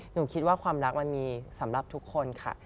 หนูคิดว่าความรักมันมีสำหรับทุกคนค่ะ